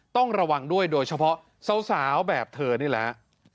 ต้องระวังด้วยโดยเฉพาะสาวแบบเธอนี่แหละ